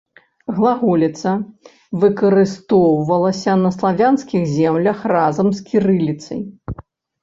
Глаголіца выкарыстоўвалася на славянскіх землях разам з кірыліцай.